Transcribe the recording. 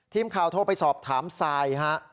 ทีมข่าวโทรไปสอบถามทรายฮะ